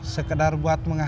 sekedar buat membeli